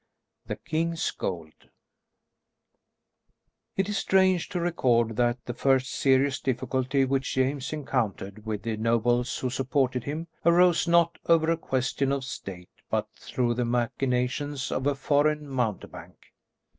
THE KING'S GOLD It is strange to record that the first serious difficulty which James encountered with the nobles who supported him, arose not over a question of State, but through the machinations of a foreign mountebank.